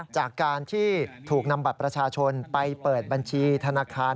จากการที่ถูกนำบัตรประชาชนไปเปิดบัญชีธนาคาร